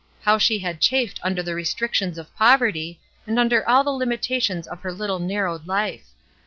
How she had chafed under the restrictions of poverty, and under all the limitations of her Uttle narrowed life!